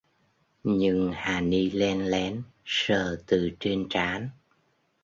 Nhưng hà ni len lén sờ từ trên trán